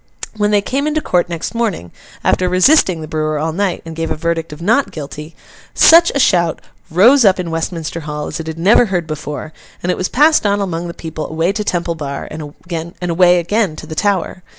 When they came into court next morning, after resisting the brewer all night, and gave a verdict of not guilty, such a shout rose up in Westminster Hall as it had never heard before; and it was passed on among the people away to Temple Bar, and away again to the Tower.